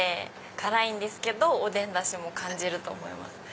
辛いんですけどおでんダシも感じると思います。